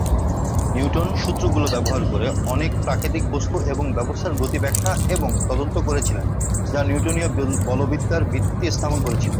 Newton সূত্রগুলো ব্যবহার করে অনেক প্রাকৃতিক বস্তু এবং ব্যবস্থার গতি ব্যাখ্যা এবং তদন্ত করেছিলেন, যা নিউটোনীয় বলবিদ্যার ভিত্তি স্থাপন করেছিল।